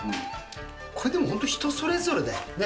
これでも本当、人それぞれだよね。